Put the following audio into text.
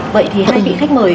vậy thì hai vị khách mời